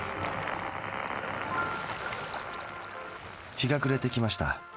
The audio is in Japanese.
日が暮れてきました。